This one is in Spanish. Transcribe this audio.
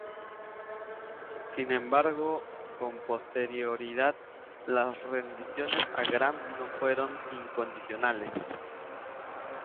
Sin embargo, con posterioridad, las rendiciones a Grant no fueron incondicionales.